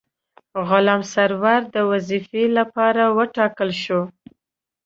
غلام سرور د وظیفې لپاره وټاکل شو.